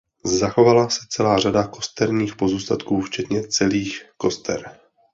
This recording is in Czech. Zachovala se celá řada kosterních pozůstatků včetně celých koster.